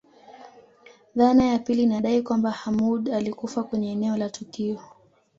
Dhana ya pili inadai kwamba Hamoud alikufa kwenye eneo la tukio